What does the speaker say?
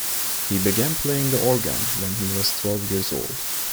He began playing the organ when he was twelve years old.